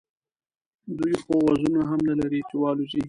دوی خو وزرونه هم نه لري چې والوزي.